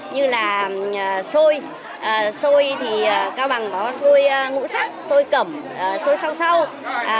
như là xôi xôi thì cao bằng có xôi ngũ sắc xôi cẩm xôi sao sao